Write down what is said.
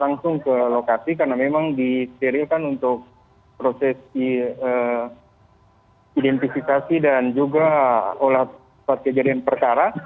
langsung ke lokasi karena memang disterilkan untuk proses identifikasi dan juga olah tempat kejadian perkara